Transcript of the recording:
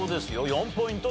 ４ポイント